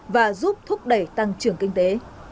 và giúp thúc đẩy tăng trưởng kinh tế